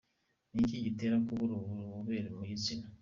Ni iki gitera kubura ububobere bwo mu gitsina ?.